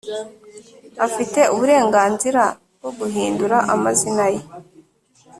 Afite uburenganzira bwo gihindura amazina ye